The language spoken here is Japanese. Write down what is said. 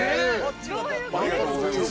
ありがとうございます。